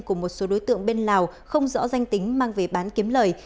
của một số đối tượng bên lào không rõ danh tính mang về bán kiếm lời